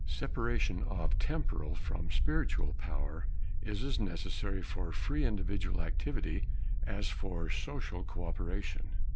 Separation of temporal from spiritual power is as necessary for free individual activity as for social co operation.